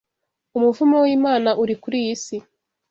Umuvumo w’Imana uri kuri iyi si